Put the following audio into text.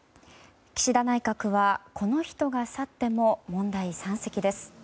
岸田内閣は、この人が去っても問題山積です。